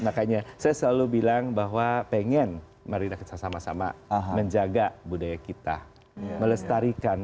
makanya saya selalu bilang bahwa pengen mari kita sama sama menjaga budaya kita melestarikan